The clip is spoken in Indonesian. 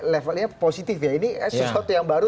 levelnya positif ya ini sesuatu yang baru